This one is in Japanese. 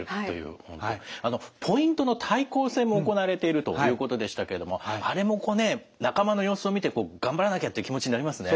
ポイントの対抗戦も行われているということでしたけどもあれもこうね仲間の様子を見て頑張らなきゃという気持ちになりますね。